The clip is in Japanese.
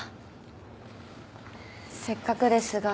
せっかくですが。